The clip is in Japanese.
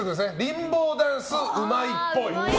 リンボーダンスうまいっぽい。